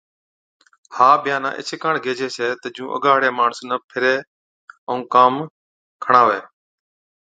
ها بِيانا ايڇي ڪاڻ گيهجَي ڇَي تہ جُون اگا هاڙَي ماڻس نہ ڦِرَي ائُون ڪام کڻاوَي۔